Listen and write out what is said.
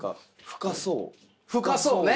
深そうね！